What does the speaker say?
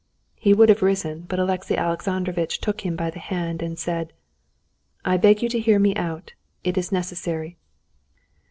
He would have risen; but Alexey Alexandrovitch took him by the hand and said: "I beg you to hear me out; it is necessary.